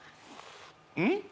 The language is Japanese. うん？